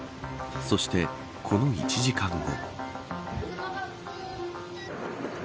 そして、この１時間後。